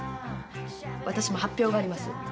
私も発表があります。